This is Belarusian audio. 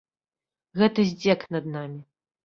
Гэта здзек над намі.